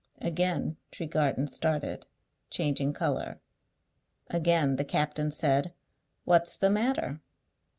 Again Tregarthen started, changing colour. Again the captain said, "What's the matter?"